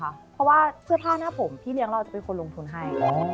เพราะว่าเสื้อผ้าหน้าผมพี่เลี้ยงเราจะเป็นคนลงทุนให้